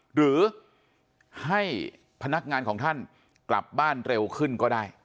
หรือให้พนักงานของท่านกลับบ้านเร็วขึ้นก็ได้